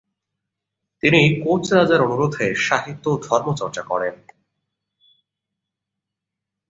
তিনি কোচ রাজার অনুরোধে সাহিত্য ও ধর্ম চর্চা করেন।